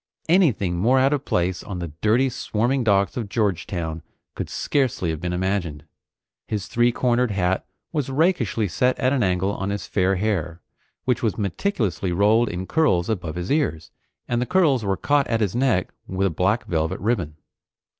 Anything more out of place on the dirty swarming docks of Georgetown could scarcely have been imagined. His three cornered hat was rakishly set at an angle on his fair hair, which was meticulously rolled in curls above his ears, and the curls were caught at his neck with a black velvet ribbon.